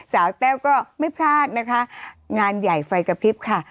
แต้วก็ไม่พลาดนะคะงานใหญ่ไฟกระพริบค่ะ